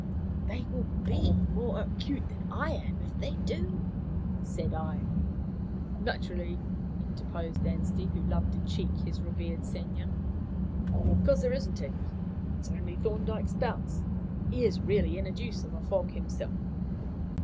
"They will be more acute than I am if they do," said I. "Naturally," interposed Anstey, who loved to "cheek" his revered senior, "because there isn't any. It's only Thorndyke's bounce. He is really in a deuce of a fog himself."